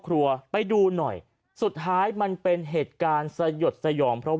ครัวไปดูหน่อยสุดท้ายมันเป็นเหตุการณ์สยดสยองเพราะ